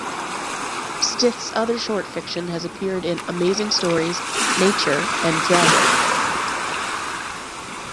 Stith's other short fiction has appeared in "Amazing Stories", "Nature", and "Dragon".